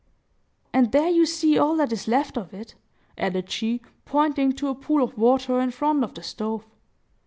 "And there you see all that is left of it!" added she, pointing to a pool of water in front of the stove.